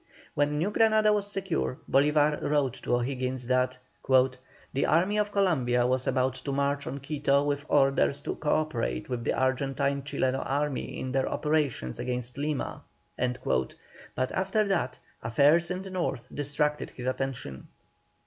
When New Granada was secure, Bolívar wrote to O'Higgins that: "The Army of Columbia was about to march on Quito with orders to co operate with the Argentine Chileno Army in their operations against Lima," but after that, affairs in the North distracted his attention.